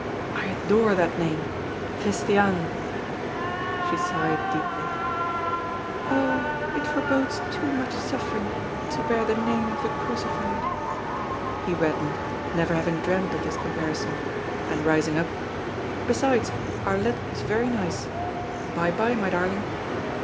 I adore that name Christiane!" She sighed deeply: "Oh! it forebodes too much suffering to bear the name of the Crucified." He reddened, never having dreamed of this comparison, and rising up: "Besides, Arlette is very nice. By bye, my darling."